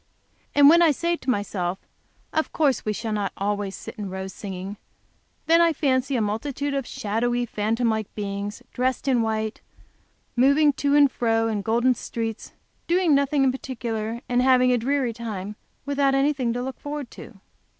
And when I say to myself, "Of course we shall not always sit in rows singing," then I fancy a multitude of shadowy, phantom like beings, dressed in white, moving to and fro in golden streets, doing nothing in particular, and having a dreary time, without anything to look forward to.